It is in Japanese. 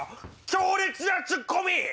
強烈なツッコミ！